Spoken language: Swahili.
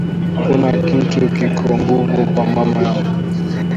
Akuna kintu kiko nguvu kwa mama yangu